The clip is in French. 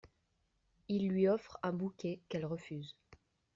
Il lui offre un bouquet qu’elle refuse.